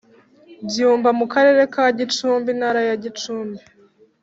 Byumba mu Karere ka Gicumbi Intara ya Gicumbi